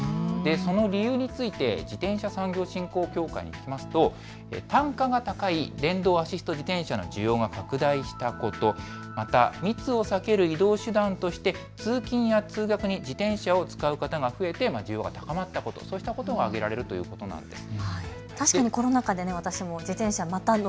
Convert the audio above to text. その理由について自転車産業振興協会によりますと単価が高いアシスト自転車の需要が拡大したこと、また密を避ける移動手段として通勤や通学に自転車を使う方が増えたということ、そうしたことが挙げられるということなんです。